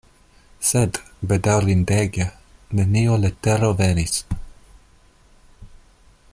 Sed, bedaŭrindege, neniu letero venis!